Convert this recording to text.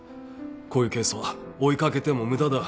こういうケースは追い掛けても無駄だ。